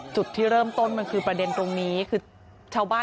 จุดที่เริ่มต้นมันคือประเด็นตรงนี้คือชาวบ้าน